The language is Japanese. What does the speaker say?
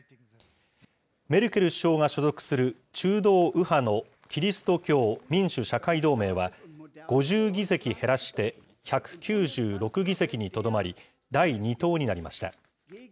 メルケル首相が所属する中道右派のキリスト教民主・社会同盟は、５０議席減らして１９６議席にとどまり、第２党になりました。